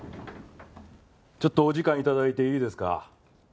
ちょっとお時間頂いていいですか？